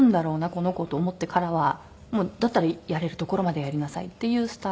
この子と思ってからはもうだったらやれるところまでやりなさいっていうスタンス。